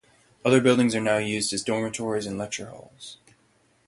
Other buildings are now used as dormitories and lecture halls.